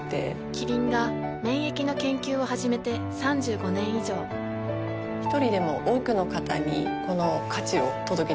キリンが免疫の研究を始めて３５年以上一人でも多くの方にこの価値を届けていきたいと思っています。